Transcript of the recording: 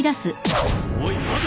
おい待て！